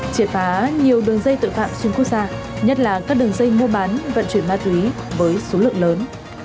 triệt phá nhiều đường dây tội phạm xuyên quốc gia nhất là các đường dây mua bán vận chuyển ma túy với số lượng lớn